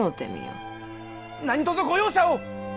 何とぞご容赦を！